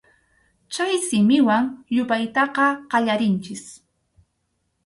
Chay simiwan yupaytaqa qallarinchik.